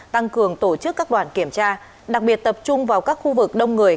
tăng cường tổ chức các đoàn kiểm tra đặc biệt tập trung vào các khu vực đông người